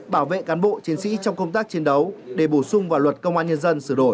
bảo vệ cán bộ chiến sĩ trong công tác chiến đấu để bổ sung vào luật công an nhân dân sửa đổi